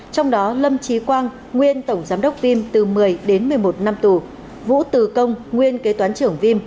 trong đó lâm trí quang nguyên tổng giám đốc phim từ một mươi đến một mươi một năm tù vũ từ công nguyên kế toán trưởng vim